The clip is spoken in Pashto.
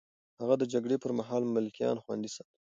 هغه د جګړې پر مهال ملکيان خوندي ساتل.